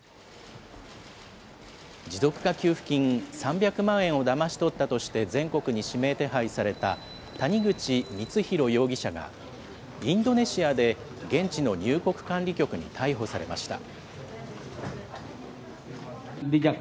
持続化給付金３００万円をだまし取ったとして、全国に指名手配された谷口光弘容疑者が、インドネシアで現地の入国管理局に逮捕されました。